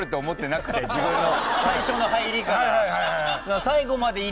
最初の入りから。